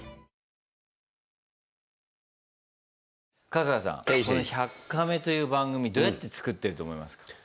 この「１００カメ」という番組どうやって作ってると思いますか？